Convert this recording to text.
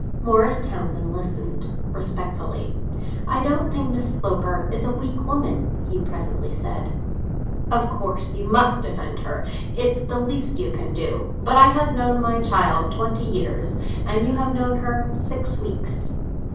Morris Townsend listened respectfully. "I don't think Miss Sloper is a weak woman," he presently said. "Of course you must defend her—it's the least you can do. But I have known my child twenty years, and you have known her six weeks.